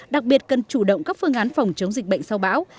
đặc biệt cần chủ động các phương án phòng chống dịch bệnh sau bão